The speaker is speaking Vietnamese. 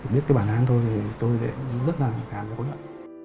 biết cái bản án tôi thì tôi rất là cảm giác có lợi